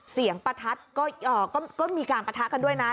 ประทัดก็มีการปะทะกันด้วยนะ